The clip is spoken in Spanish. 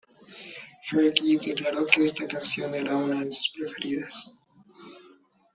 Fergie declaró que esta canción era una de sus preferidas.